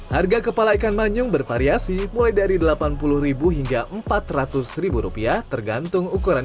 harga kepala ikan manyung bervariasi mulai dari delapan puluh hingga empat ratus rupiah tergantung ukuran